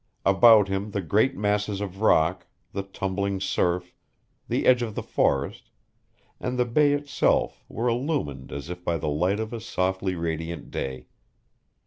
About him the great masses of rock, the tumbling surf, the edge of the forest, and the Bay itself were illumined as if by the light of a softly radiant day.